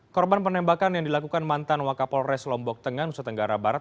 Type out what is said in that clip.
korban penembakan yang dilakukan mantan wakapolres lombok tengah nusa tenggara barat